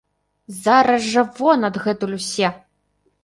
Зараз жа вон адгэтуль усе!